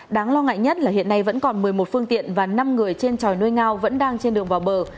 đáng lo ngại nhất là hiện nay vẫn còn một mươi một phương tiện và năm người trên tròi nuôi ngao vẫn đang trên đường vào bờ